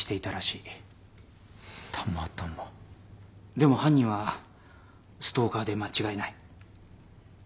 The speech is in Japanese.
でも犯人はストーカーで間違いない。